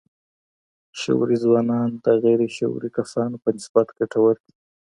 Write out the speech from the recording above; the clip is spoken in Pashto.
شعوري ځوانان د غير شعوري کسانو په نسبت ګټور دي.